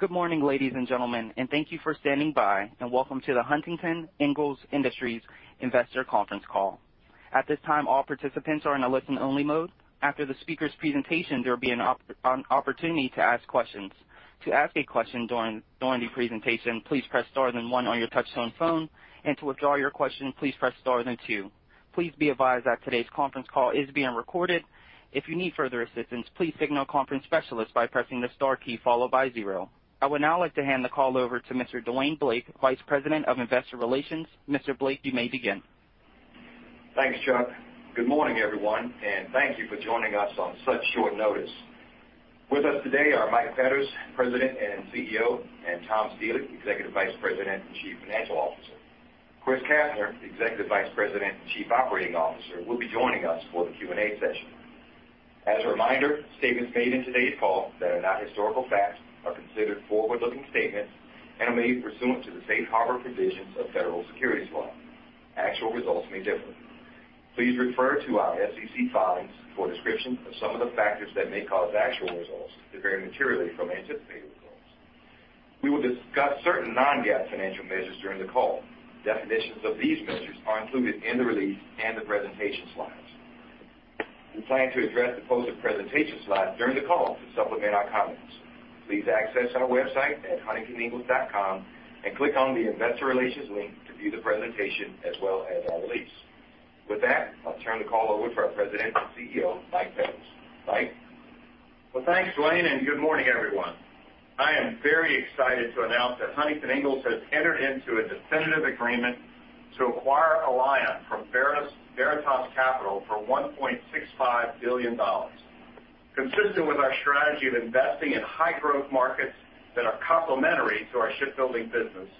Good morning, ladies and gentlemen, and thank you for standing by. Welcome to the Huntington Ingalls Industries Investor Conference Call. At this time, all participants are in a listen-only mode. After the speaker's presentation, there will be an opportunity to ask questions. To ask a question during the presentation, please press star then one on your touch-tone phone, and to withdraw your question, please press star then two. Please be advised that today's conference call is being recorded. If you need further assistance, please signal conference specialists by pressing the star key followed by zero. I would now like to hand the call over to Mr. Dwayne Blake, Vice President of Investor Relations. Mr. Blake, you may begin. Thanks, Chuck. Good morning, everyone, and thank you for joining us on such short notice. With us today are Michael Petters, President and CEO, and Tom Stiehle, Executive Vice President and Chief Financial Officer. Chris Kastner, Executive Vice President and Chief Operating Officer, will be joining us for the Q&A session. As a reminder, statements made in today's call that are not historical facts are considered forward-looking statements and are made pursuant to the safe harbor provisions of federal securities law. Actual results may differ. Please refer to our SEC filings for descriptions of some of the factors that may cause actual results to vary materially from anticipated results. We will discuss certain non-GAAP financial measures during the call. Definitions of these measures are included in the release and the presentation slides. We plan to address the posted presentation slides during the call to supplement our comments. Please access our website at huntingtoningalls.com and click on the Investor Relations link to view the presentation as well as our release. With that, I'll turn the call over to our President and CEO, Mike Petters. Mike. Thanks, Dwayne, and good morning, everyone. I am very excited to announce that Huntington Ingalls has entered into a definitive agreement to acquire Alion from Veritas Capital for $1.65 billion. Consistent with our strategy of investing in high-growth markets that are complementary to our shipbuilding business,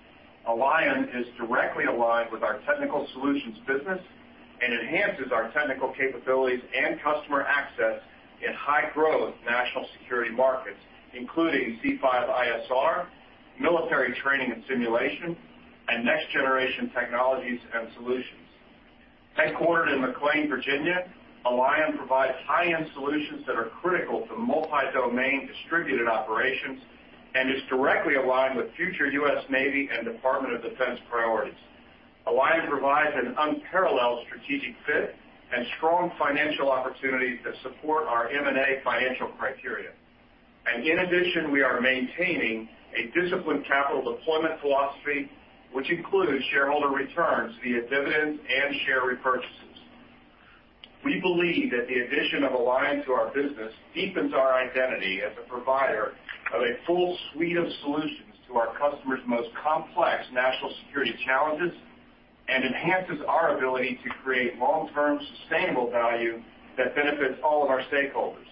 Alion is directly aligned with our Technical Solutions business and enhances our technical capabilities and customer access in high-growth national security markets, including C5ISR, military training and simulation, and next-generation technologies and solutions. Headquartered in McLean, Virginia, Alion provides high-end solutions that are critical to multi-domain distributed operations and is directly aligned with future U.S. Navy and Department of Defense priorities. Alion provides an unparalleled strategic fit and strong financial opportunities that support our M&A financial criteria. In addition, we are maintaining a disciplined capital deployment philosophy, which includes shareholder returns via dividends and share repurchases. We believe that the addition of Alion to our business deepens our identity as a provider of a full suite of solutions to our customers' most complex national security challenges and enhances our ability to create long-term sustainable value that benefits all of our stakeholders.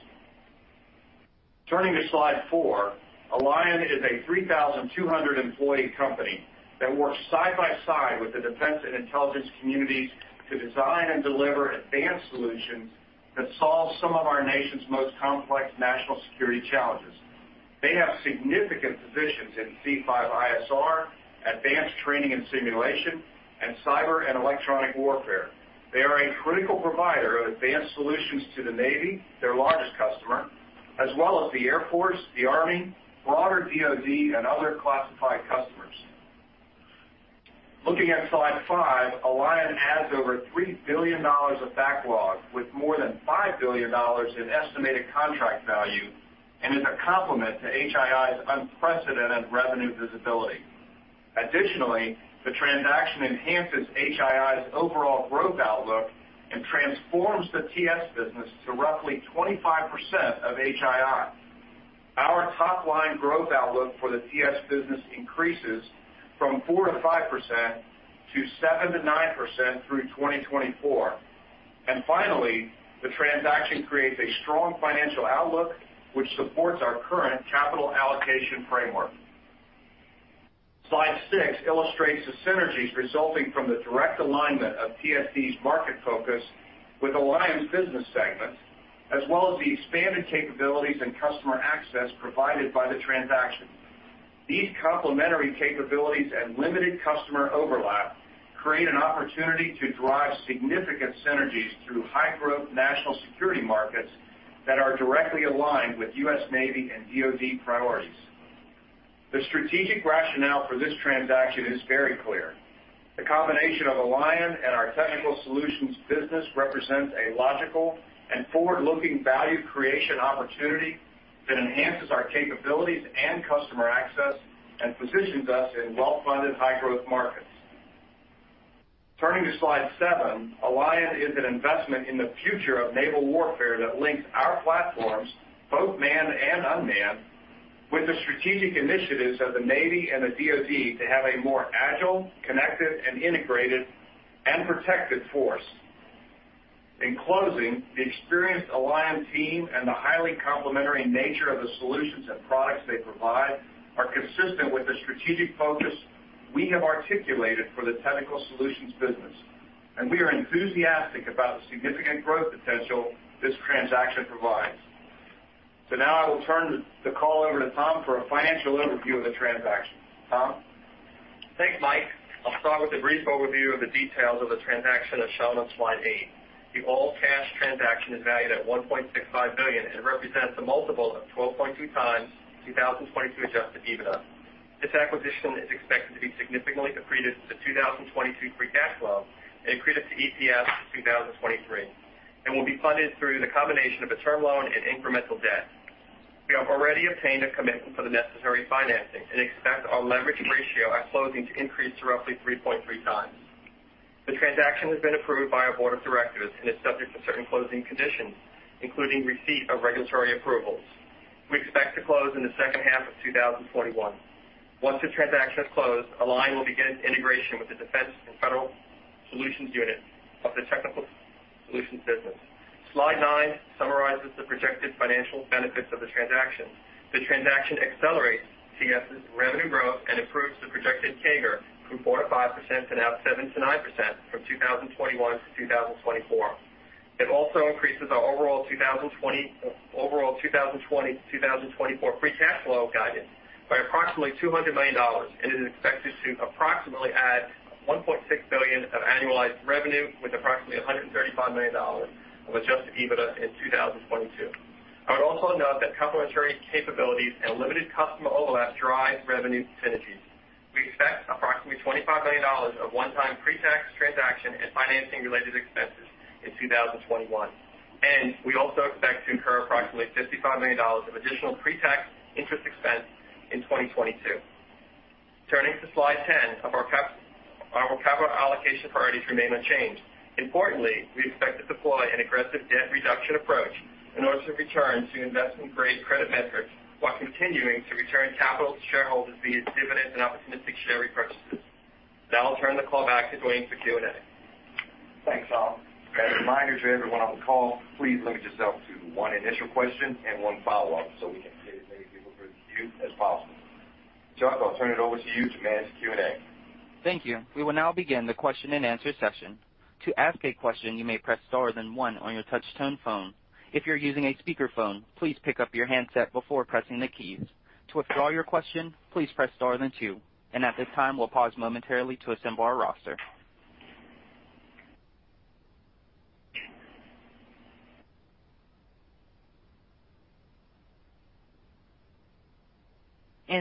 Turning to slide four, Alion is a 3,200-employee company that works side by side with the defense and intelligence communities to design and deliver advanced solutions that solve some of our nation's most complex national security challenges. They have significant positions in C5ISR, advanced training and simulation, and cyber and electronic warfare. They are a critical provider of advanced solutions to the Navy, their largest customer, as well as the Air Force, the Army, broader DoD, and other classified customers. Looking at slide five, Alion adds over $3 billion of backlog with more than $5 billion in estimated contract value and is a complement to HII's unprecedented revenue visibility. Additionally, the transaction enhances HII's overall growth outlook and transforms the TS business to roughly 25% of HII. Our top-line growth outlook for the TS business increases from 4-5% to 7-9% through 2024. And finally, the transaction creates a strong financial outlook which supports our current capital allocation framework. Slide six illustrates the synergies resulting from the direct alignment of TSD's market focus with Alion's business segments, as well as the expanded capabilities and customer access provided by the transaction. These complementary capabilities and limited customer overlap create an opportunity to drive significant synergies through high-growth national security markets that are directly aligned with U.S. Navy and DoD priorities. The strategic rationale for this transaction is very clear. The combination of Alion and our Technical Solutions business represents a logical and forward-looking value creation opportunity that enhances our capabilities and customer access and positions us in well-funded high-growth markets. Turning to slide seven, Alion is an investment in the future of naval warfare that links our platforms, both manned and unmanned, with the strategic initiatives of the Navy and the DoD to have a more agile, connected, integrated, and protected force. In closing, the experienced Alion team and the highly complementary nature of the solutions and products they provide are consistent with the strategic focus we have articulated for the Technical Solutions business, and we are enthusiastic about the significant growth potential this transaction provides. So now I will turn the call over to Tom for a financial overview of the transaction. Tom. Thanks, Mike. I'll start with a brief overview of the details of the transaction as shown on slide eight. The all-cash transaction is valued at $1.65 billion and represents a multiple of 12.2 times 2022 Adjusted EBITDA. This acquisition is expected to be significantly accretive to the 2022 free cash flow and accretive to EPS in 2023, and will be funded through the combination of a term loan and incremental debt. We have already obtained a commitment for the necessary financing and expect our leverage ratio at closing to increase to roughly 3.3 times. The transaction has been approved by our board of directors and is subject to certain closing conditions, including receipt of regulatory approvals. We expect to close in the second half of 2021. Once the transaction is closed, Alion will begin integration with the Defense and Federal Solutions unit of the Technical Solutions business. Slide nine summarizes the projected financial benefits of the transaction. The transaction accelerates TS's revenue growth and improves the projected CAGR from 4%-5% to now 7%-9% from 2021 to 2024. It also increases our overall 2020 to 2024 free cash flow guidance by approximately $200 million, and it is expected to approximately add $1.6 billion of annualized revenue with approximately $135 million of Adjusted EBITDA in 2022. I would also note that complementary capabilities and limited customer overlap drive revenue synergies. We expect approximately $25 million of one-time pre-tax transaction and financing-related expenses in 2021, and we also expect to incur approximately $55 million of additional pre-tax interest expense in 2022. Turning to slide ten, our capital allocation priorities remain unchanged. Importantly, we expect to deploy an aggressive debt reduction approach in order to return to investment-grade credit metrics while continuing to return capital to shareholders via dividends and opportunistic share repurchases. Now I'll turn the call back to Dwayne for Q&A. Thanks, Tom. As a reminder to everyone on the call, please limit yourself to one initial question and one follow-up so we can get as many people through the queue as possible. Chuck, I'll turn it over to you to manage the Q&A. Thank you. We will now begin the question-and-answer session. To ask a question, you may press star then one on your touch-tone phone. If you're using a speakerphone, please pick up your handset before pressing the keys. To withdraw your question, please press star then two, and at this time, we'll pause momentarily to assemble our roster.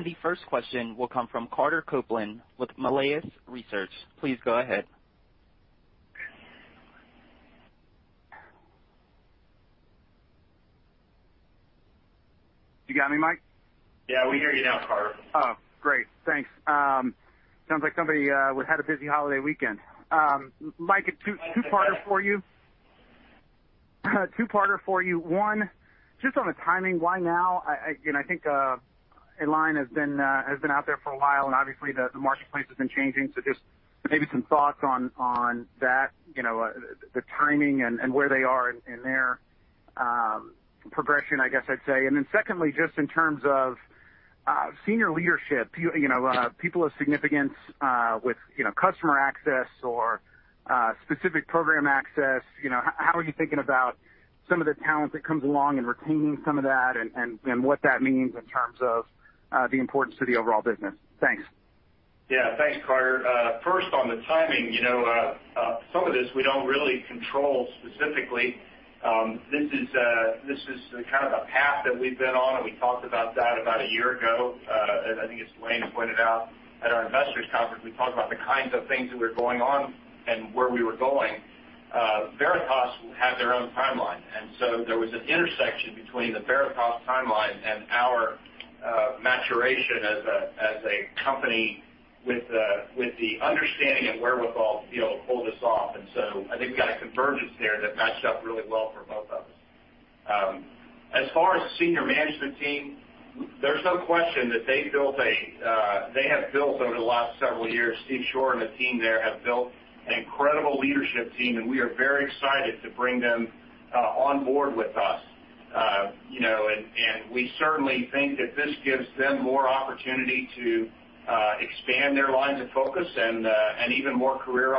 The first question will come from Carter Copeland with Melius Research. Please go ahead. You got me, Mike? Yeah, we hear you now, Carter. Oh, great. Thanks. Sounds like somebody had a busy holiday weekend. Mike, a two-parter for you. One just on the timing, why now? I think Alion has been out there for a while, and obviously, the marketplace has been changing. So just maybe some thoughts on that, the timing and where they are in their progression, I guess I'd say. And then secondly, just in terms of senior leadership, people of significance with customer access or specific program access, how are you thinking about some of the talent that comes along and retaining some of that and what that means in terms of the importance to the overall business? Thanks. Yeah, thanks, Carter. First, on the timing, some of this we don't really control specifically. This is kind of a path that we've been on, and we talked about that about a year ago. I think it's Dwayne who pointed out at our investors' conference. We talked about the kinds of things that were going on and where we were going. Veritas had their own timeline, and so there was an intersection between the Veritas timeline and our maturation as a company with the understanding and wherewithal to be able to pull this off. And so I think we got a convergence there that matched up really well for both of us. As far as the senior management team, there's no question that they have built over the last several years. Steve Schorer and the team there have built an incredible leadership team, and we are very excited to bring them on board with us, and we certainly think that this gives them more opportunity to expand their lines of focus and even more career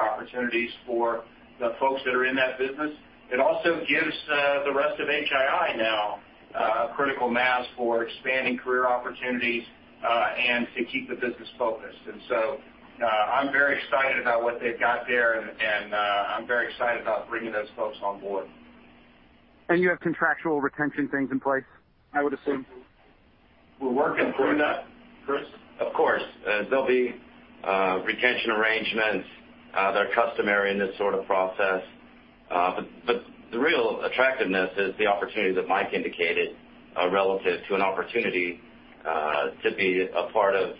opportunities for the folks that are in that business. It also gives the rest of HII now a critical mass for expanding career opportunities and to keep the business focused, and so I'm very excited about what they've got there, and I'm very excited about bringing those folks on board. You have contractual retention things in place, I would assume? We're working through that, Chris. Of course. There'll be retention arrangements. They're customary in this sort of process. But the real attractiveness is the opportunity that Mike indicated relative to an opportunity to be a part of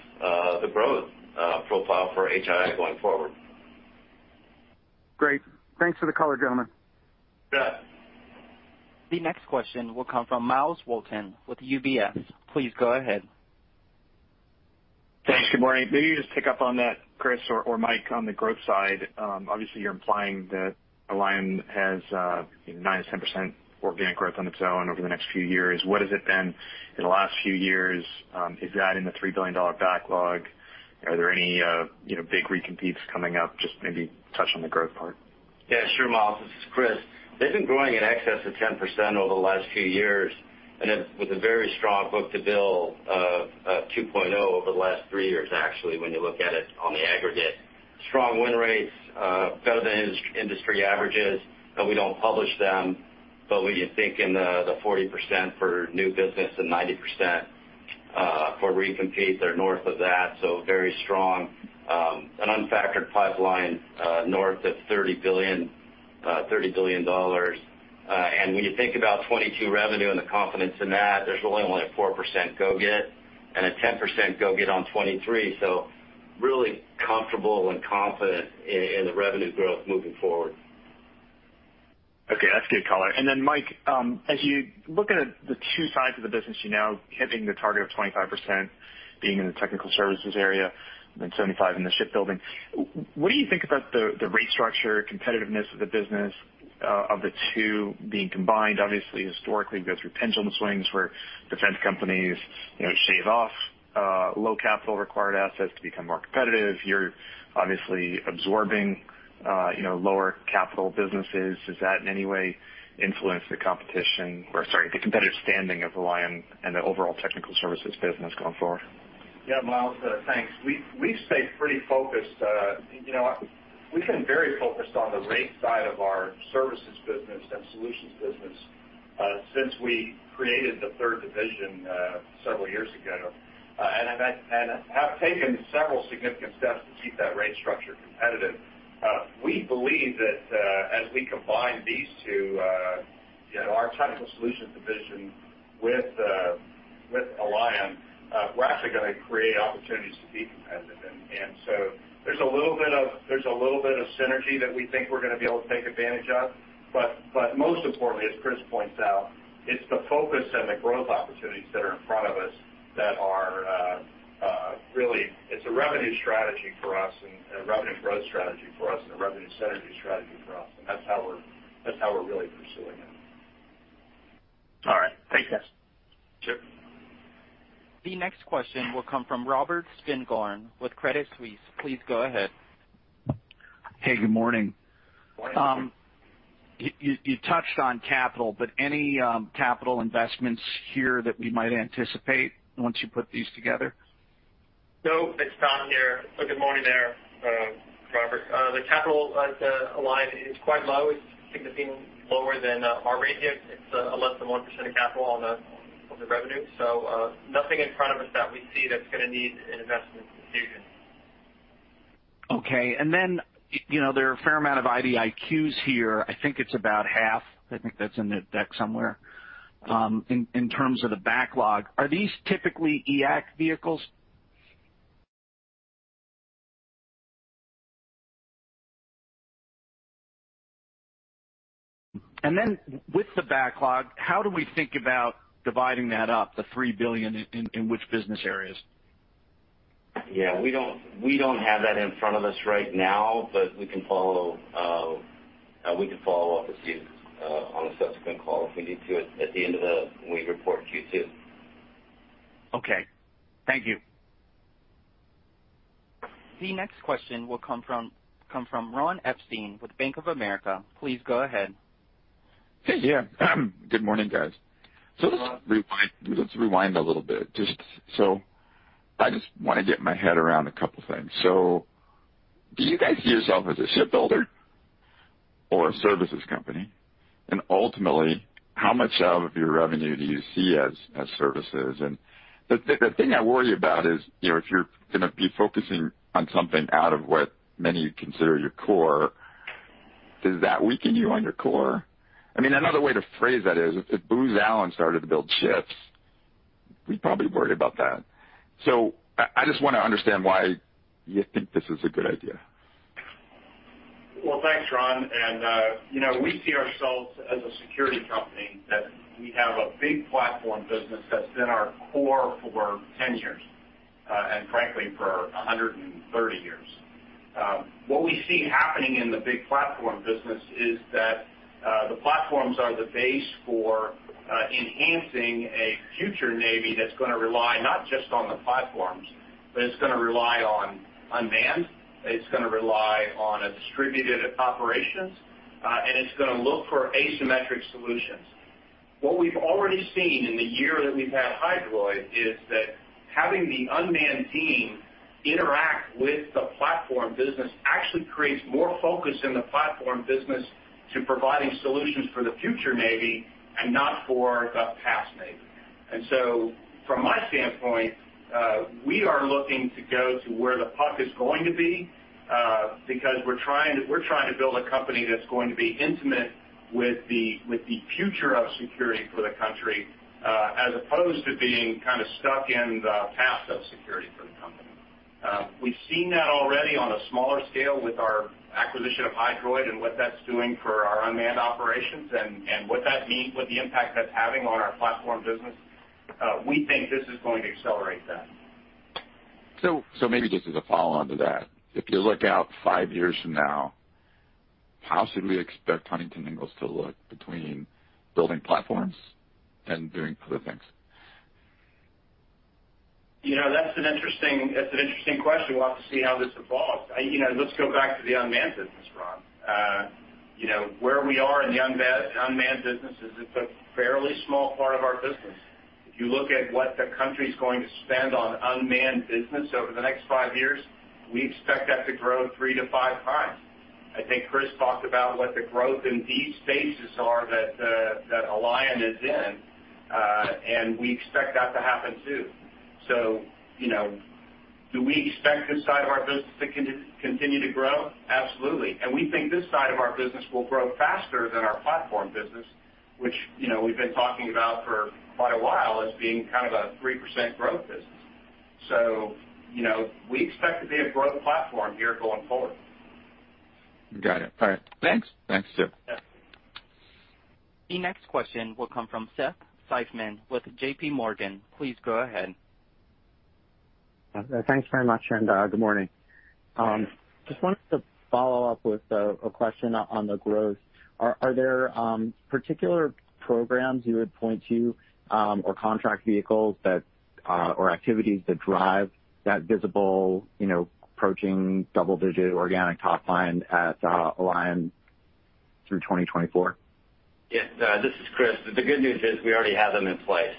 the growth profile for HII going forward. Great. Thanks for the color, gentlemen. Yeah. The next question will come from Myles Walton with UBS. Please go ahead. Thanks. Good morning. Maybe you just pick up on that, Chris, or Mike, on the growth side. Obviously, you're implying that Alion has 9%-10% organic growth on its own over the next few years. What has it been in the last few years? Is that in the $3 billion backlog? Are there any big recompetes coming up? Just maybe touch on the growth part. Yeah, sure, Myles. This is Chris. They've been growing in excess of 10% over the last few years and with a very strong book-to-bill of 2.0 over the last three years, actually, when you look at it on the aggregate. Strong win rates, better than industry averages. We don't publish them, but we can think in the 40% for new business and 90% for recompete. They're north of that, so very strong. An unfactored pipeline north of $30 billion. And when you think about 2022 revenue and the confidence in that, there's really only a 4% go get and a 10% go get on 2023. So really comfortable and confident in the revenue growth moving forward. Okay. That's good color. And then, Mike, as you look at the two sides of the business, you know, hitting the target of 25% being in the technical services area and then 75% in the shipbuilding. What do you think about the rate structure, competitiveness of the business, of the two being combined? Obviously, historically, we go through pendulum swings where defense companies shave off low capital-required assets to become more competitive. You're obviously absorbing lower capital businesses. Does that in any way influence the competition or, sorry, the competitive standing of Alion and the overall technical services business going forward? Yeah, Miles, thanks. We stay pretty focused. We've been very focused on the rate side of our services business and solutions business since we created the third division several years ago and have taken several significant steps to keep that rate structure competitive. We believe that as we combine these two, our Technical Solutions division with Alion, we're actually going to create opportunities to be competitive. And so there's a little bit of synergy that we think we're going to be able to take advantage of. But most importantly, as Chris points out, it's the focus and the growth opportunities that are in front of us that are really. It's a revenue strategy for us and a revenue growth strategy for us and a revenue synergy strategy for us. And that's how we're really pursuing it. All right. Thanks, guys. Sure. The next question will come from Robert Spingarn with Credit Suisse. Please go ahead. Hey, good morning. Morning, Robert. You touched on capital, but any capital investments here that we might anticipate once you put these together? No, it's not here. Good morning there, Robert. The capital at Alion is quite low. It's significantly lower than our ratio. It's less than 1% of capital on the revenue. So nothing in front of us that we see that's going to need an investment decision. Okay. And then there are a fair amount of IDIQs here. I think it's about half. I think that's in the deck somewhere in terms of the backlog. Are these typically EAC vehicles? And then with the backlog, how do we think about dividing that up, the $3 billion in which business areas? Yeah, we don't have that in front of us right now, but we can follow up with you on a subsequent call if we need to. We report to you too. Okay. Thank you. The next question will come from Ron Epstein with Bank of America. Please go ahead. Hey, yeah. Good morning, guys. So let's rewind a little bit. So I just want to get my head around a couple of things. So do you guys see yourself as a shipbuilder or a services company? And ultimately, how much of your revenue do you see as services? And the thing I worry about is if you're going to be focusing on something out of what many consider your core, does that weaken you on your core? I mean, another way to phrase that is if Booz Allen started to build ships, we'd probably worry about that. So I just want to understand why you think this is a good idea. Well, thanks, Ron. And we see ourselves as a security company that we have a big platform business that's been our core for 10 years and, frankly, for 130 years. What we see happening in the big platform business is that the platforms are the base for enhancing a future Navy that's going to rely not just on the platforms, but it's going to rely on unmanned, it's going to rely on distributed operations, and it's going to look for asymmetric solutions. What we've already seen in the year that we've had Hydroid is that having the unmanned team interact with the platform business actually creates more focus in the platform business to providing solutions for the future Navy and not for the past Navy. And so from my standpoint, we are looking to go to where the puck is going to be because we're trying to build a company that's going to be intimate with the future of security for the country as opposed to being kind of stuck in the past of security for the company. We've seen that already on a smaller scale with our acquisition of Hydroid and what that's doing for our unmanned operations and what that means, what the impact that's having on our platform business. We think this is going to accelerate that. So maybe just as a follow-on to that, if you look out five years from now, how should we expect Huntington Ingalls to look between building platforms and doing other things? That's an interesting question. We'll have to see how this evolves. Let's go back to the unmanned business, Ron. Where we are in the unmanned business is it's a fairly small part of our business. If you look at what the country's going to spend on unmanned business over the next five years, we expect that to grow three to five times. I think Chris talked about what the growth in these spaces are that Alion is in, and we expect that to happen too. So do we expect this side of our business to continue to grow? Absolutely. And we think this side of our business will grow faster than our platform business, which we've been talking about for quite a while as being kind of a 3% growth business. So we expect to be a growth platform here going forward. Got it. All right. Thanks. Thanks too. Yeah. The next question will come from Seth Seifman with J.P. Morgan. Please go ahead. Thanks very much, and good morning. Just wanted to follow up with a question on the growth. Are there particular programs you would point to or contract vehicles or activities that drive that visible approaching double-digit organic top line at Alion through 2024? Yes. This is Chris. The good news is we already have them in place,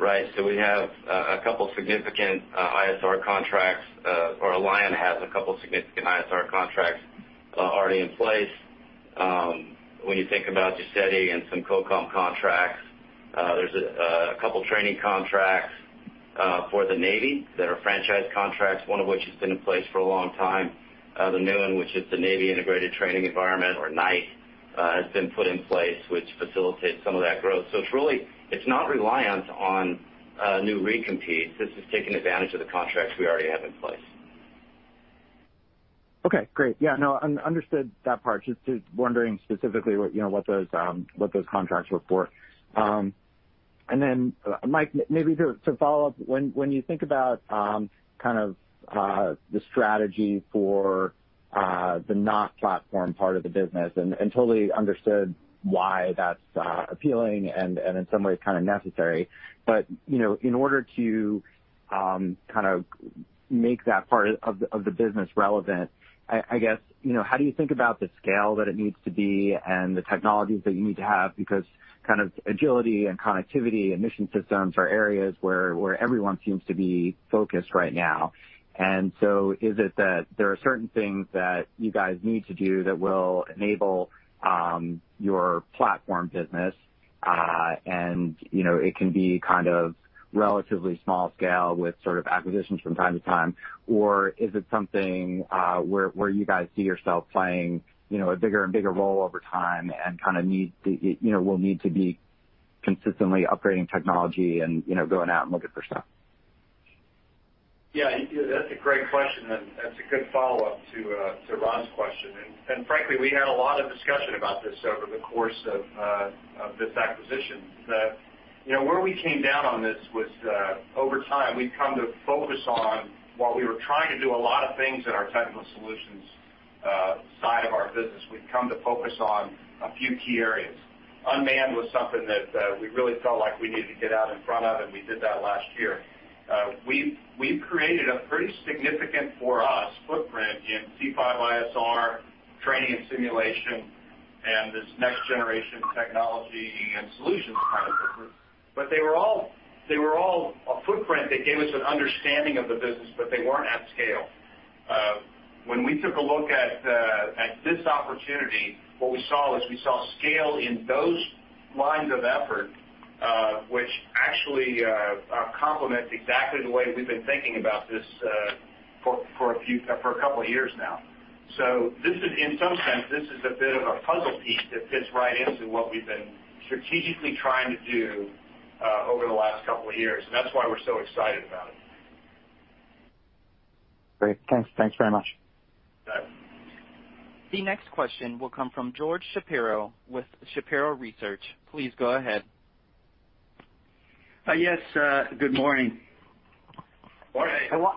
right? So we have a couple of significant ISR contracts or Alion has a couple of significant ISR contracts already in place. When you think about GSETI and some COCOM contracts, there's a couple of training contracts for the Navy that are franchise contracts, one of which has been in place for a long time. The new one, which is the Navy Integrated Training Environment or NITE, has been put in place, which facilitates some of that growth. So it's not reliant on new recompetes. This is taking advantage of the contracts we already have in place. Okay. Great. Yeah. No, understood that part. Just wondering specifically what those contracts were for. And then, Mike, maybe to follow up, when you think about kind of the strategy for the not-platform part of the business, and totally understood why that's appealing and in some ways kind of necessary. But in order to kind of make that part of the business relevant, I guess, how do you think about the scale that it needs to be and the technologies that you need to have? Because kind of agility and connectivity and mission systems are areas where everyone seems to be focused right now. And so is it that there are certain things that you guys need to do that will enable your platform business and it can be kind of relatively small scale with sort of acquisitions from time to time? Or is it something where you guys see yourself playing a bigger and bigger role over time and kind of will need to be consistently upgrading technology and going out and looking for stuff? Yeah. That's a great question, and that's a good follow-up to Ron's question. And frankly, we had a lot of discussion about this over the course of this acquisition. Where we came down on this was over time, we've come to focus on while we were trying to do a lot of things in our Technical Solutions side of our business, we've come to focus on a few key areas. Unmanned was something that we really felt like we needed to get out in front of, and we did that last year. We've created a pretty significant for us footprint in C5ISR training and simulation and this next-generation technology and solutions kind of footprint. But they were all a footprint that gave us an understanding of the business, but they weren't at scale. When we took a look at this opportunity, what we saw is we saw scale in those lines of effort, which actually complements exactly the way we've been thinking about this for a couple of years now. So in some sense, this is a bit of a puzzle piece that fits right into what we've been strategically trying to do over the last couple of years. And that's why we're so excited about it. Great. Thanks. Thanks very much. Bye. The next question will come from George Shapiro with Shapiro Research. Please go ahead. Yes. Good morning. Morning.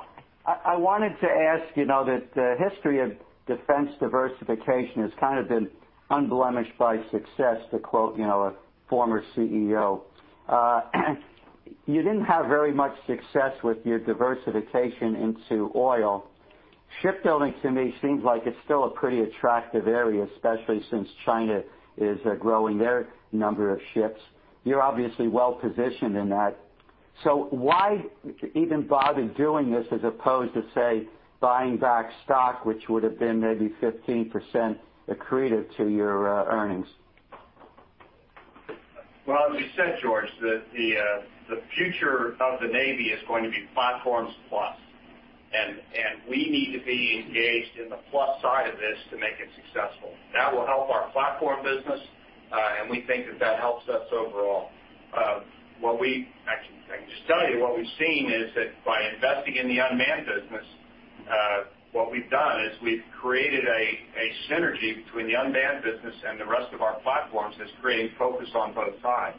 I wanted to ask that the history of defense diversification has kind of been unblemished by success, to quote a former CEO. You didn't have very much success with your diversification into oil. Shipbuilding, to me, seems like it's still a pretty attractive area, especially since China is growing their number of ships. You're obviously well-positioned in that. So why even bother doing this as opposed to, say, buying back stock, which would have been maybe 15% accretive to your earnings? As you said, George, the future of the Navy is going to be platforms plus. We need to be engaged in the plus side of this to make it successful. That will help our platform business, and we think that that helps us overall. I can just tell you what we've seen is that by investing in the unmanned business, what we've done is we've created a synergy between the unmanned business and the rest of our platforms that's creating focus on both sides.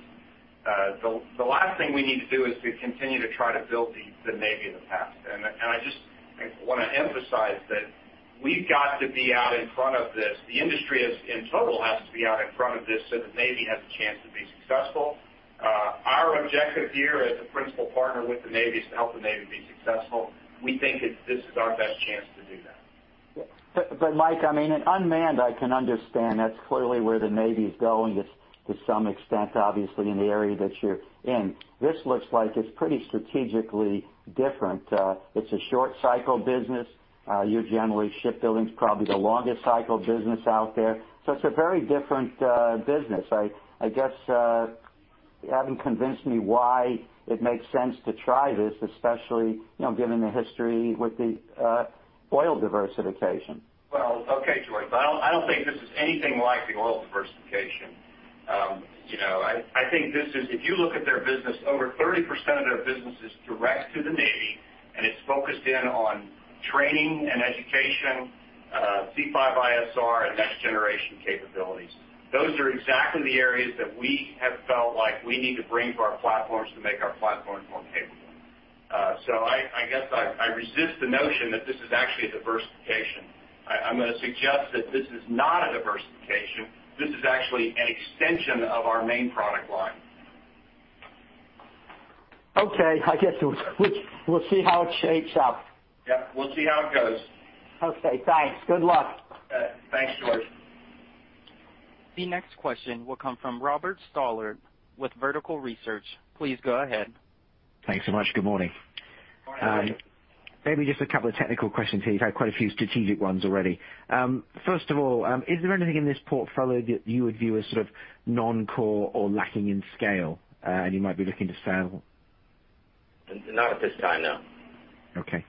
The last thing we need to do is to continue to try to build the Navy in the past. I just want to emphasize that we've got to be out in front of this. The industry in total has to be out in front of this so the Navy has a chance to be successful. Our objective here as a principal partner with the Navy is to help the Navy be successful. We think this is our best chance to do that. But Mike, I mean, unmanned, I can understand. That's clearly where the Navy is going to some extent, obviously, in the area that you're in. This looks like it's pretty strategically different. It's a short-cycle business. You're generally shipbuilding is probably the longest-cycle business out there. So it's a very different business. I guess you haven't convinced me why it makes sense to try this, especially given the history with the oil diversification. Okay, George. I don't think this is anything like the oil diversification. I think this is if you look at their business, over 30% of their business is direct to the Navy, and it's focused in on training and education, C5ISR, and next-generation capabilities. Those are exactly the areas that we have felt like we need to bring to our platforms to make our platforms more capable. So I guess I resist the notion that this is actually a diversification. I'm going to suggest that this is not a diversification. This is actually an extension of our main product line. Okay. I guess we'll see how it shapes up. Yeah. We'll see how it goes. Okay. Thanks. Good luck. Thanks, George. The next question will come from Robert Stallard with Vertical Research. Please go ahead. Thanks so much. Good morning. Morning, Robert. Maybe just a couple of technical questions here. You've had quite a few strategic ones already. First of all, is there anything in this portfolio that you would view as sort of non-core or lacking in scale and you might be looking to sell? Not at this time, no. Okay.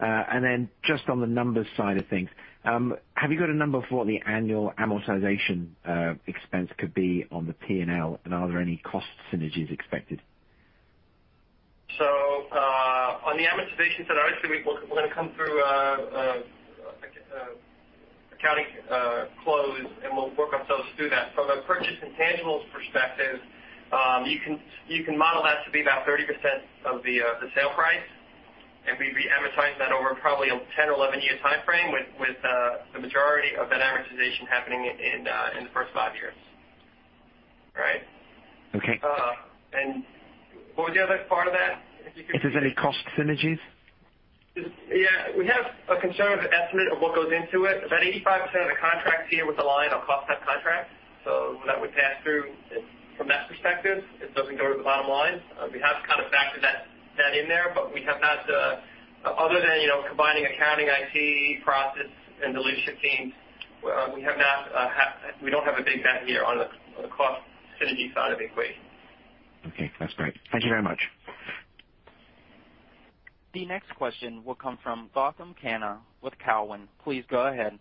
And then just on the numbers side of things, have you got a number for what the annual amortization expense could be on the P&L, and are there any cost synergies expected? So on the amortization side, obviously, we're going to come through accounting close, and we'll work ourselves through that. From a purchase intangibles perspective, you can model that to be about 30% of the sale price, and we'd be amortizing that over probably a 10 or 11-year time frame with the majority of that amortization happening in the first five years. All right? Okay. What was the other part of that? If there's any cost synergies? Yeah. We have a conservative estimate of what goes into it. About 85% of the contracts here with Alion are cost-type contracts. So that would pass through from that perspective. It doesn't go to the bottom line. We have kind of factored that in there, but we have not other than combining accounting, IT, process, and the leadership teams, we don't have a big bet here on the cost synergy side of the equation. Okay. That's great. Thank you very much. The next question will come from Gautam Khanna with Cowen. Please go ahead.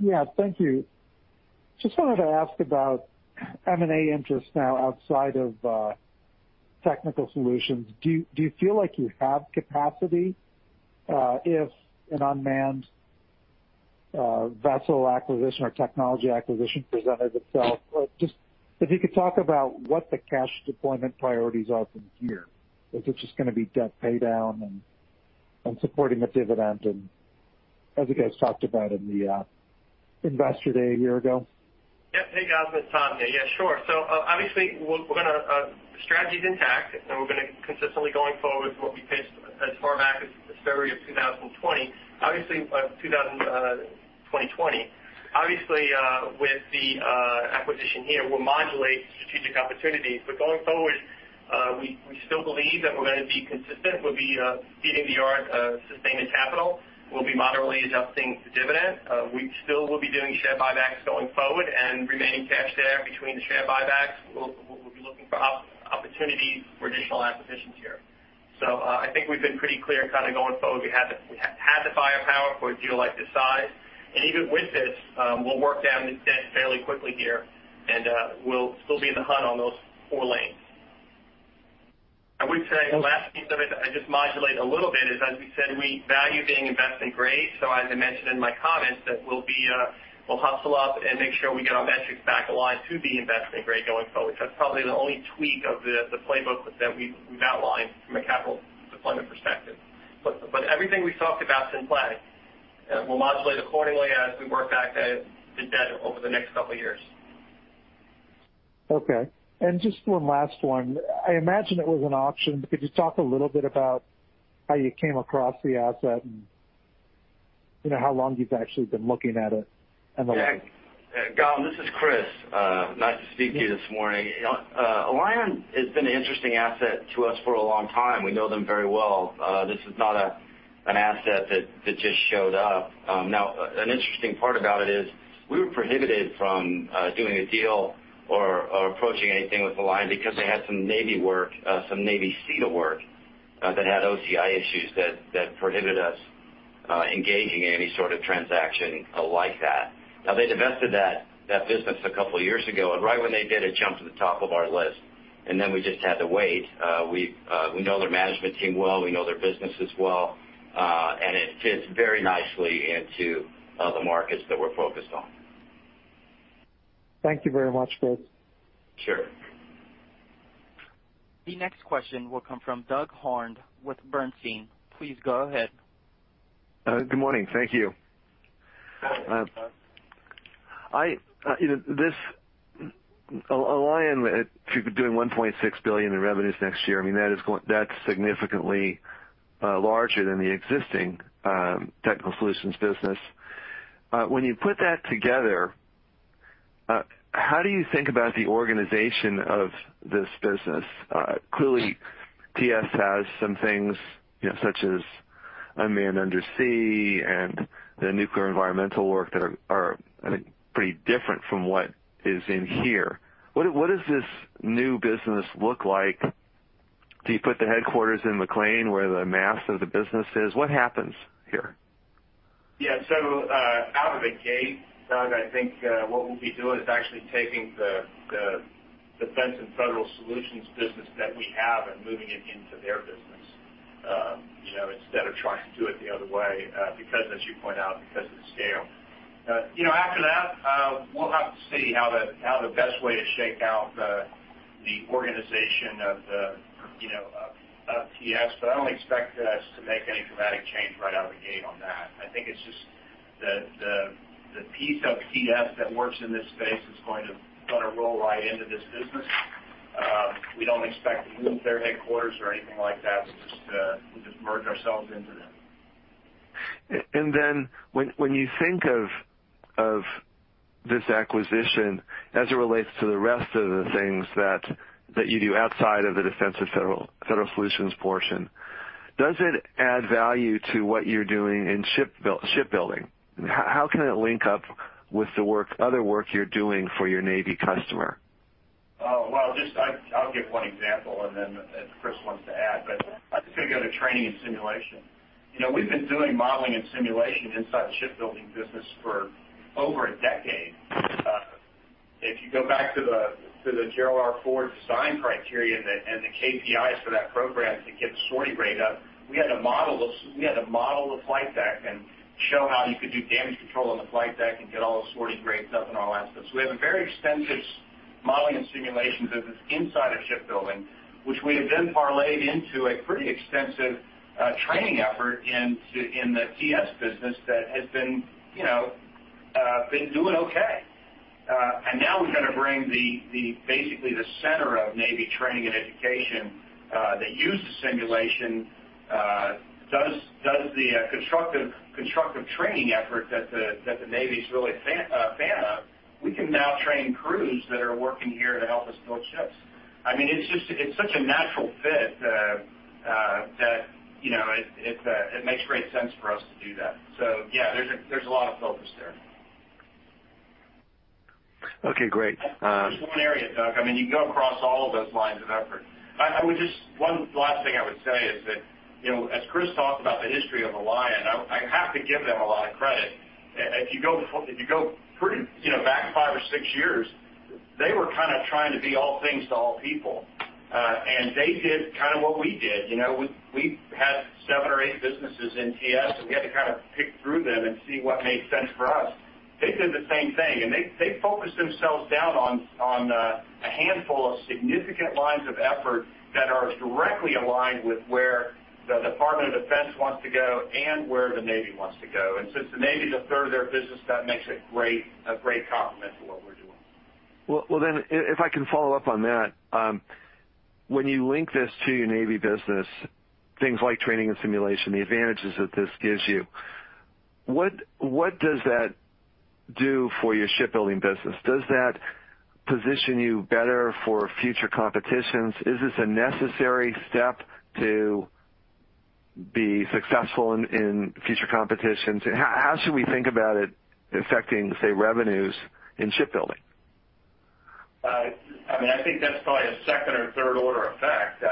Yeah. Thank you. Just wanted to ask about M&A interests now outside of Technical Solutions. Do you feel like you have capacity if an unmanned vessel acquisition or technology acquisition presented itself? If you could talk about what the cash deployment priorities are from here. Is it just going to be debt paydown and supporting the dividend, as you guys talked about in the investor day a year ago? Yeah. Hey, Gautam. It's Tom here. Yeah, sure. So obviously, strategy is intact, and we're going to consistently going forward with what we pitched as far back as February of 2020. Obviously, with the acquisition here, we'll modulate strategic opportunities. But going forward, we still believe that we're going to be consistent. We'll be feeding the beast of sustaining capital. We'll be moderately adjusting the dividend. We still will be doing share buybacks going forward, and remaining cash there between the share buybacks. We'll be looking for opportunities for additional acquisitions here. So I think we've been pretty clear kind of going forward. We had the buying power for a deal like this size. And even with this, we'll work down the debt fairly quickly here, and we'll still be in the hunt on those four lanes. I would say the last piece of it that I just modulate a little bit is, as we said, we value being investment-grade. So as I mentioned in my comments, that we'll hustle up and make sure we get our metrics back aligned to be investment-grade going forward. That's probably the only tweak of the playbook that we've outlined from a capital deployment perspective. But everything we've talked about is in play. We'll modulate accordingly as we work back the debt over the next couple of years. Okay. And just one last one. I imagine it was an option. Could you talk a little bit about how you came across the asset and how long you've actually been looking at it and the likes? Yeah. Gautam, this is Chris. Nice to speak to you this morning. Alion has been an interesting asset to us for a long time. We know them very well. This is not an asset that just showed up. Now, an interesting part about it is we were prohibited from doing a deal or approaching anything with Alion because they had some Navy work, some Navy SETA work that had OCI issues that prohibited us engaging in any sort of transaction like that. Now, they divested that business a couple of years ago, and right when they did, it jumped to the top of our list, and then we just had to wait. We know their management team well. We know their businesses well, and it fits very nicely into the markets that we're focused on. Thank you very much, Chris. Sure. The next question will come from Doug Harned with Bernstein. Please go ahead. Good morning. Thank you. Alion, if you're doing $1.6 billion in revenues next year, I mean, that's significantly larger than the existing Technical Solutions business. When you put that together, how do you think about the organization of this business? Clearly, TS has some things such as unmanned undersea and the nuclear environmental work that are, I think, pretty different from what is in here. What does this new business look like? Do you put the headquarters in McLean where the mass of the business is? What happens here? Yeah. So out of the gate, Doug, I think what we'll be doing is actually taking the Defense and Federal Solutions business that we have and moving it into their business instead of trying to do it the other way because, as you point out, because of the scale. After that, we'll have to see how the best way to shake out the organization of TS. But I don't expect us to make any dramatic change right out of the gate on that. I think it's just the piece of TS that works in this space is going to roll right into this business. We don't expect to move their headquarters or anything like that. We'll just merge ourselves into them. And then when you think of this acquisition as it relates to the rest of the things that you do outside of the Defense and Federal Solutions portion, does it add value to what you're doing in shipbuilding? How can it link up with the other work you're doing for your Navy customer? I'll give one example, and then Chris wants to add. But I'm just going to go to training and simulation. We've been doing modeling and simulation inside the shipbuilding business for over a decade. If you go back to the Gerald R. Ford design criteria and the KPIs for that program to get the sortie generation rate up, we had to model the flight deck and show how you could do damage control on the flight deck and get all the sortie generation stuff and all that stuff. So we have a very extensive modeling and simulation business inside of shipbuilding, which we have then parlayed into a pretty extensive training effort in the TS business that has been doing okay. And now we're going to bring basically the center of Navy training and education that uses simulation, does the constructive training effort that the Navy is really a fan of. We can now train crews that are working here to help us build ships. I mean, it's such a natural fit that it makes great sense for us to do that. So yeah, there's a lot of focus there. Okay. Great. Just one area, Doug. I mean, you go across all of those lines of effort. One last thing I would say is that as Chris talked about the history of Alion, I have to give them a lot of credit. If you go back five or six years, they were kind of trying to be all things to all people, and they did kind of what we did. We had seven or eight businesses in TS, and we had to kind of pick through them and see what made sense for us. They did the same thing, and they focused themselves down on a handful of significant lines of effort that are directly aligned with where the Department of Defense wants to go and where the Navy wants to go, and since the Navy is a third of their business, that makes a great complement to what we're doing. Then if I can follow up on that, when you link this to your Navy business, things like training and simulation, the advantages that this gives you, what does that do for your shipbuilding business? Does that position you better for future competitions? Is this a necessary step to be successful in future competitions? How should we think about it affecting, say, revenues in shipbuilding? I mean, I think that's probably a second or third-order effect.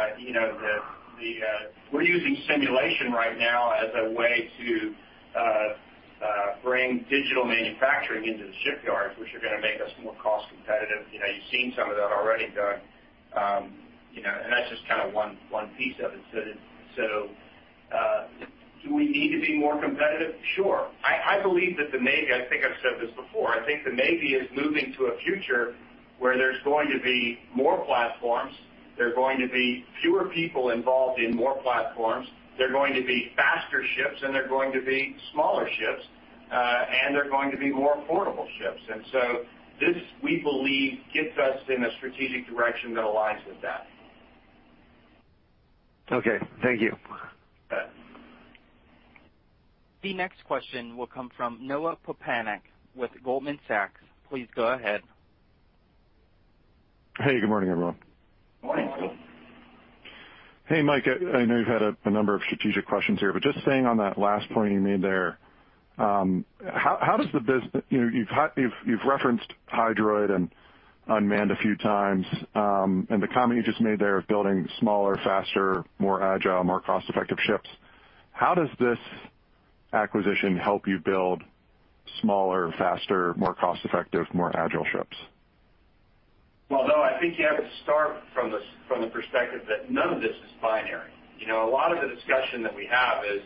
We're using simulation right now as a way to bring digital manufacturing into the shipyards, which are going to make us more cost competitive. You've seen some of that already, Doug. And that's just kind of one piece of it. So do we need to be more competitive? Sure. I believe that the Navy. I think I've said this before. I think the Navy is moving to a future where there's going to be more platforms. There are going to be fewer people involved in more platforms. There are going to be faster ships, and there are going to be smaller ships, and there are going to be more affordable ships. And so this, we believe, gets us in a strategic direction that aligns with that. Okay. Thank you. Good. The next question will come from Noah Poponak with Goldman Sachs. Please go ahead. Hey. Good morning, everyone. Good morning, Noah. Hey, Mike. I know you've had a number of strategic questions here, but just staying on that last point you made there, how does the business (you've referenced Hydroid and unmanned a few times) and the comment you just made there of building smaller, faster, more agile, more cost-effective ships? How does this acquisition help you build smaller, faster, more cost-effective, more agile ships? Noah, I think you have to start from the perspective that none of this is binary. A lot of the discussion that we have is,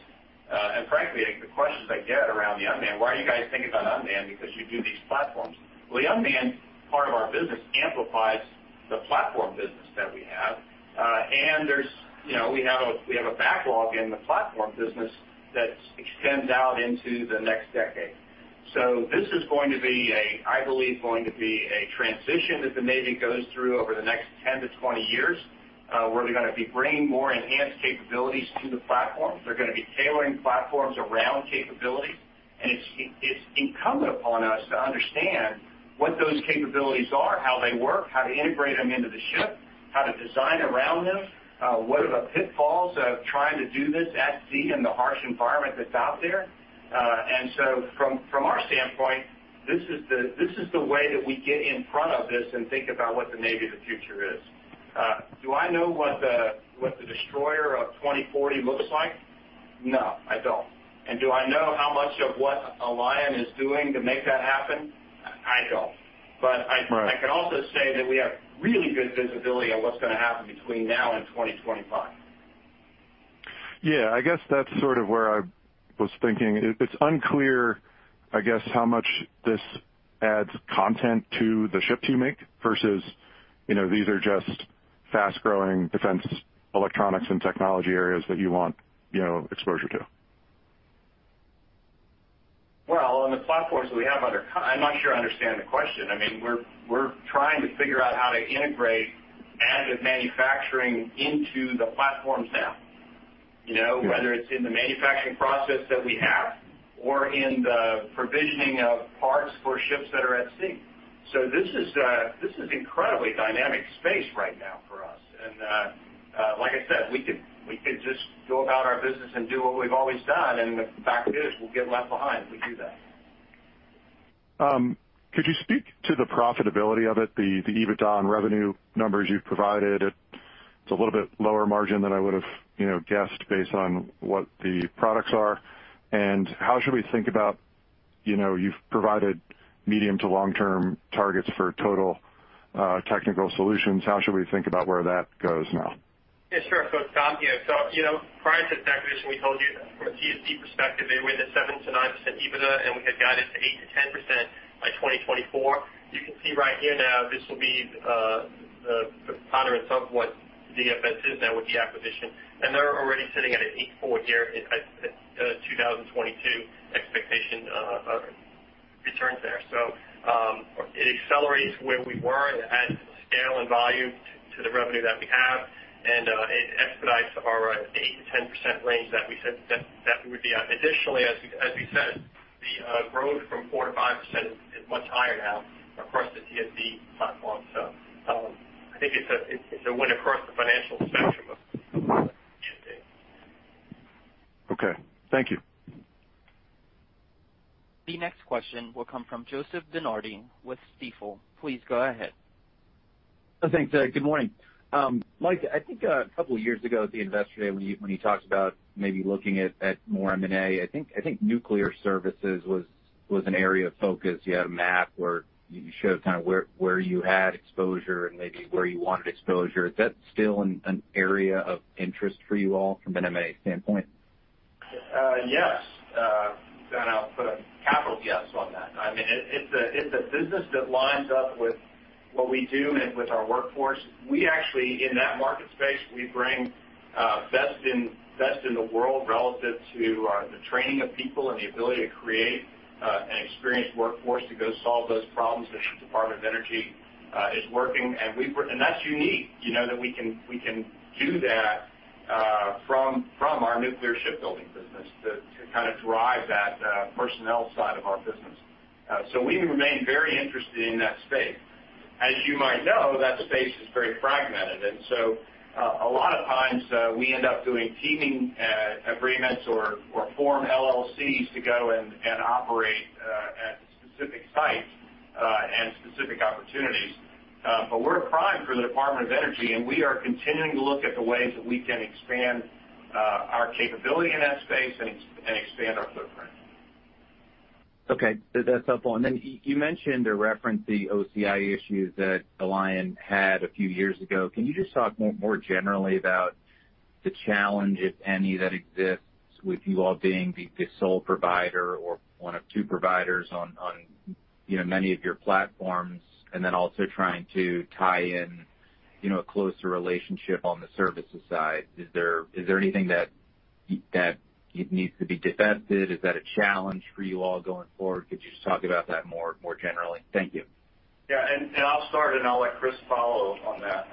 and frankly, the questions I get around the unmanned, why are you guys thinking about unmanned because you do these platforms? The unmanned part of our business amplifies the platform business that we have. We have a backlog in the platform business that extends out into the next decade. This is going to be a, I believe, going to be a transition that the Navy goes through over the next 10 to 20 years where they're going to be bringing more enhanced capabilities to the platforms. They're going to be tailoring platforms around capabilities. And it's incumbent upon us to understand what those capabilities are, how they work, how to integrate them into the ship, how to design around them, what are the pitfalls of trying to do this at sea in the harsh environment that's out there. And so from our standpoint, this is the way that we get in front of this and think about what the Navy of the future is. Do I know what the destroyer of 2040 looks like? No, I don't. And do I know how much of what Alion is doing to make that happen? I don't. But I can also say that we have really good visibility on what's going to happen between now and 2025. Yeah. I guess that's sort of where I was thinking. It's unclear, I guess, how much this adds content to the ships you make versus these are just fast-growing defense electronics and technology areas that you want exposure to. Well, on the platforms that we have under, I'm not sure I understand the question. I mean, we're trying to figure out how to integrate additive manufacturing into the platforms now, whether it's in the manufacturing process that we have or in the provisioning of parts for ships that are at sea. So this is an incredibly dynamic space right now for us. And like I said, we could just go about our business and do what we've always done. And the fact is we'll get left behind if we do that. Could you speak to the profitability of it, the EBITDA and revenue numbers you've provided? It's a little bit lower margin than I would have guessed based on what the products are. And how should we think about, you've provided medium- to long-term targets for total Technical Solutions. How should we think about where that goes now? Yeah. Sure. So Tom, so prior to this acquisition, we told you from a TSD perspective, they were in the 7-9% EBITDA, and we had guided to 8-10% by 2024. You can see right here now this will be the pattern of what the event is now with the acquisition. And they're already sitting at an 8.4% year in 2022 expectation returns there. So it accelerates where we were and adds scale and volume to the revenue that we have. And it expedites our 8-10% range that we said that we would be at. Additionally, as we said, the growth from 4-5% is much higher now across the TSD platform. So I think it's a win across the financial spectrum of TSD. Okay. Thank you. The next question will come from Joseph DeNardi with Stifel. Please go ahead. Thanks, Chuck. Good morning. Mike, I think a couple of years ago at the Investor Day, when you talked about maybe looking at more M&A, I think nuclear services was an area of focus. You had a map where you showed kind of where you had exposure and maybe where you wanted exposure. Is that still an area of interest for you all from an M&A standpoint? Yes. And I'll put a capital yes on that. I mean, it's a business that lines up with what we do and with our workforce. In that market space, we bring best in the world relative to the training of people and the ability to create an experienced workforce to go solve those problems that the Department of Energy is working. And that's unique that we can do that from our nuclear shipbuilding business to kind of drive that personnel side of our business. So we remain very interested in that space. As you might know, that space is very fragmented. And so a lot of times, we end up doing teaming agreements or form LLCs to go and operate at specific sites and specific opportunities. We're primed for the Department of Energy, and we are continuing to look at the ways that we can expand our capability in that space and expand our footprint. Okay. That's helpful. And then you mentioned or referenced the OCI issues that Alion had a few years ago. Can you just talk more generally about the challenge, if any, that exists with you all being the sole provider or one of two providers on many of your platforms and then also trying to tie in a closer relationship on the services side? Is there anything that needs to be defected? Is that a challenge for you all going forward? Could you just talk about that more generally? Thank you. Yeah, and I'll start, and I'll let Chris follow on that.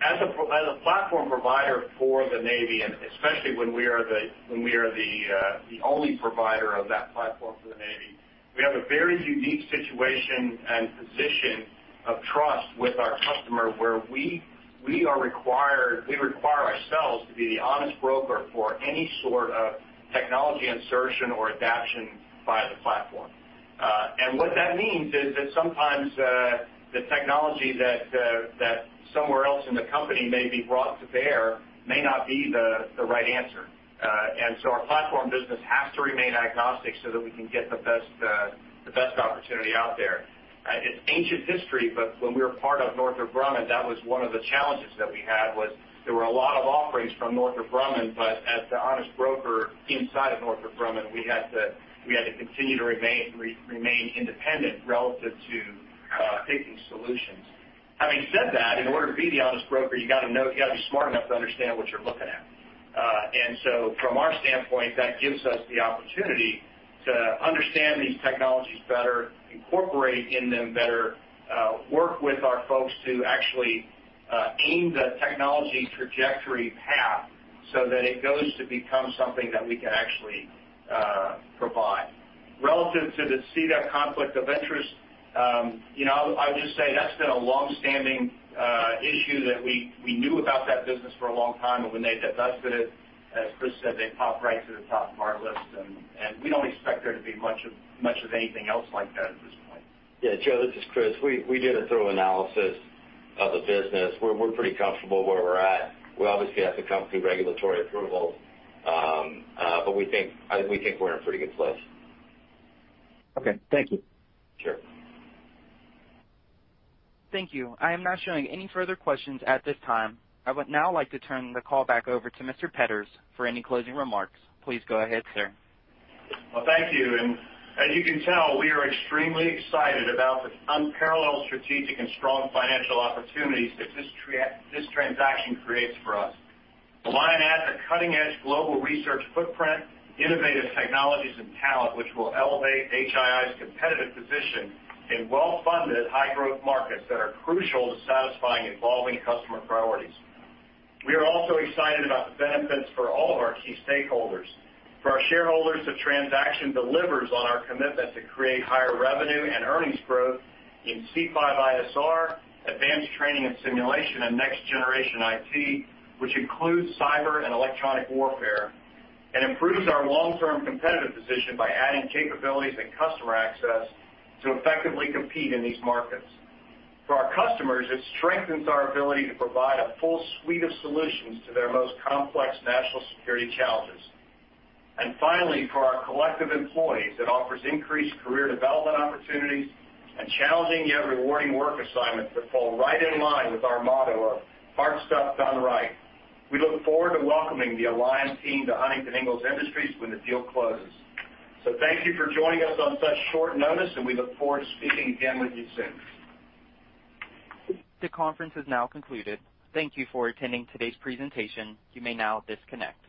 As a platform provider for the Navy, and especially when we are the only provider of that platform for the Navy, we have a very unique situation and position of trust with our customer where we require ourselves to be the honest broker for any sort of technology insertion or adoption by the platform. And what that means is that sometimes the technology that somewhere else in the company may be brought to bear may not be the right answer. And so our platform business has to remain agnostic so that we can get the best opportunity out there. It's ancient history, but when we were part of Northrop Grumman, that was one of the challenges that we had was there were a lot of offerings from Northrop Grumman, but as the honest broker inside of Northrop Grumman, we had to continue to remain independent relative to picking solutions. Having said that, in order to be the honest broker, you got to be smart enough to understand what you're looking at. And so from our standpoint, that gives us the opportunity to understand these technologies better, incorporate in them better, work with our folks to actually aim the technology trajectory path so that it goes to become something that we can actually provide. Relative to the SETA conflict of interest, I would just say that's been a long-standing issue that we knew about that business for a long time. And when they divested it, as Chris said, they popped right to the top of our list. And we don't expect there to be much of anything else like that at this point. Yeah. Joe, this is Chris. We did a thorough analysis of the business. We're pretty comfortable where we're at. We obviously have to come through regulatory approvals, but I think we're in a pretty good place. Okay. Thank you. Sure. Thank you. I am not showing any further questions at this time. I would now like to turn the call back over to Mr. Petters for any closing remarks. Please go ahead, sir. Thank you. And as you can tell, we are extremely excited about the unparalleled strategic and strong financial opportunities that this transaction creates for us. Alion adds a cutting-edge global research footprint, innovative technologies, and talent which will elevate HII's competitive position in well-funded high-growth markets that are crucial to satisfying evolving customer priorities. We are also excited about the benefits for all of our key stakeholders. For our shareholders, the transaction delivers on our commitment to create higher revenue and earnings growth in C5ISR, advanced training and simulation, and next-generation IT, which includes cyber and electronic warfare, and improves our long-term competitive position by adding capabilities and customer access to effectively compete in these markets. For our customers, it strengthens our ability to provide a full suite of solutions to their most complex national security challenges. Finally, for our collective employees, it offers increased career development opportunities and challenging yet rewarding work assignments that fall right in line with our motto of hard stuff done right. We look forward to welcoming the Alion team to Huntington Ingalls Industries when the deal closes. Thank you for joining us on such short notice, and we look forward to speaking again with you soon. The conference is now concluded. Thank you for attending today's presentation. You may now disconnect.